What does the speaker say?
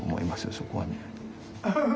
そこはね。